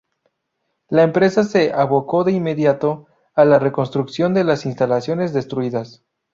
La empresa se abocó de inmediato a la reconstrucción de las instalaciones destruidas.